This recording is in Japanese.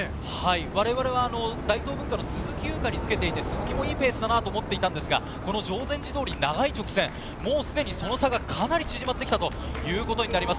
我々は大東文化の鈴木優花につけていて、鈴木もいいペースだと思っていたら定禅寺通の長い直線、常にその差がかなり縮まってきたということになります。